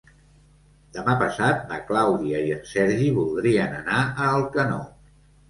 Demà passat na Clàudia i en Sergi voldrien anar a Alcanó.